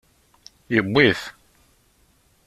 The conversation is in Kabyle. Yewwi-t.